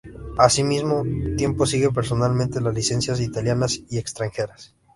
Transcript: Al mismo tiempo sigue personalmente las licencias italianas y extranjeras.